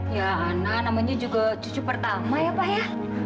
ya ana namanya juga cucu pertama ya pak ya